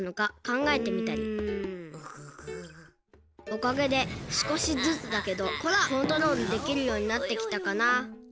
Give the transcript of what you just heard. おかげですこしずつだけどコントロールできるようになってきたかな。